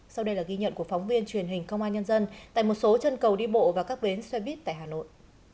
sau đây là ghi nhận của phóng viên truyền hình công an nhân dân tại một số chân cầu đi bộ và các bến xe buýt tại hà nội